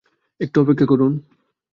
একটু অপেক্ষা করুন।